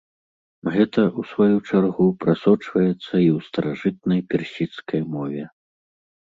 Гэта, у сваю чаргу, прасочваецца і ў старажытнай персідскай мове.